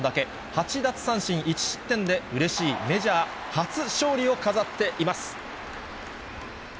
８奪三振１失点でうれしいメジャー初勝利を飾っています。